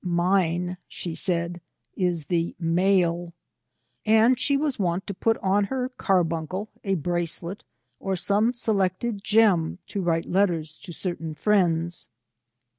" Mine,'' she said, " is the male." And she was wont to put on her carbuncle, a bracelet, or some selected gem, to write letters to certain friends.